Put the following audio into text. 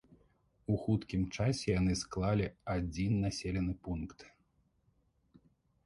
У хуткім часе яны склалі адзін населены пункт.